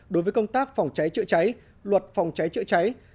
đối với công tác phòng cháy chữa cháy luật phòng cháy chữa cháy